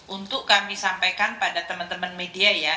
untuk kami sampaikan pada teman teman media ya